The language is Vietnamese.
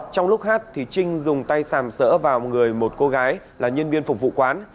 trong lúc hát trinh dùng tay sàm sỡ vào người một cô gái là nhân viên phục vụ quán